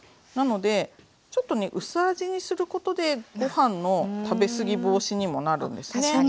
なのでちょっとね薄味にすることでご飯の食べ過ぎ防止にもなるんですね。